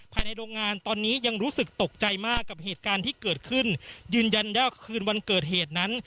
ภายในโรงงานตอนนี้ยังรู้สึกตกใจมากกับเหตุการณ์ที่เกิดขึ้นยืนยันว่าคืนวันเกิดเหตุนั้น